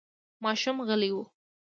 ماشوم غلی و.